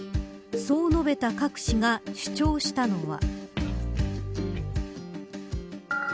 そう述べたカク氏が主張したのは。